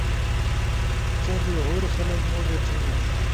سہ دی ہور خلق موڙے تھینا